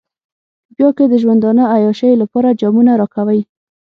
بيا که د ژوندانه عياشيو لپاره جامونه راکوئ.